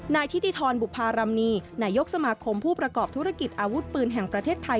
นายทิติธรบุภารำนีนายกสมาคมผู้ประกอบธุรกิจอาวุธปืนแห่งประเทศไทย